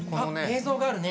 映像があるね！